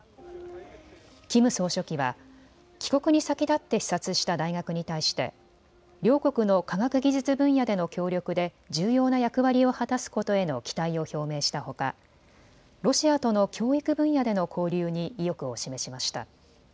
キム総書記は帰国に先立って視察した大学に対して両国の科学技術分野での協力で重要な役割を果たすことへの期待を表明したほかロシアとの教育分野での交流に意欲を示しました。